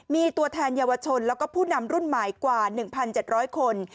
มีตัวแทนเยาวชนแล้วก็ผู้นำรุ่นใหม่กว่า๑๗๐๐คน